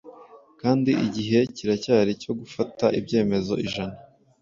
Kandi igihe kiracyari cyo gufata ibyemezo ijana